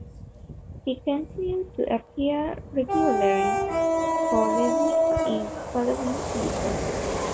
He continued to appear regularly for Lazio in the following seasons.